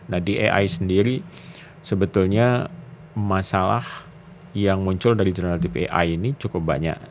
nah di ai sendiri sebetulnya masalah yang muncul dari jurnal dpai ini cukup banyak